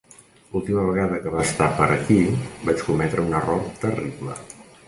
L'última vegada que va estar per aquí vaig cometre un error terrible.